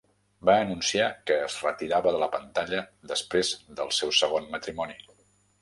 Va anunciar que es retirava de la pantalla després del seu segon matrimoni.